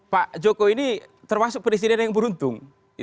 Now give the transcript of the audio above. pak joko ini termasuk presiden yang beruntung